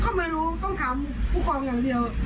เขาไม่รู้ต้องขอพูดของอย่างเดียว